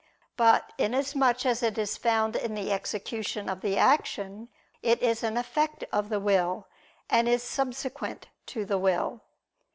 But inasmuch as it is found in the execution of the action, it is an effect of the will, and is subsequent to the will.